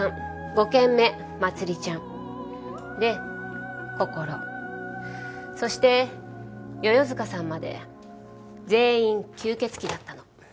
５件目まつりちゃんでこころそして世々塚さんまで全員吸血鬼だったの。